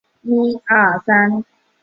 晋朝南朝沿置。